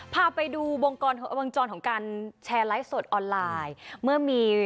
พาไปดูวงจรของการแชร์ไลฟ์สดออนไลน์เมื่อมี